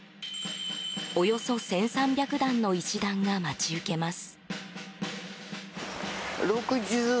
およそ１３００段の石段が待ち受けます。